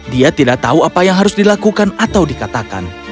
dia tidak tahu apa yang harus dilakukan atau dikatakan